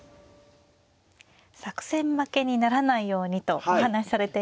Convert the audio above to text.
作戦負けにならないようにとお話しされていましたね。